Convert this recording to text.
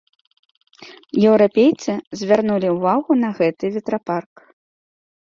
Еўрапейцы звярнулі ўвагу на гэты ветрапарк.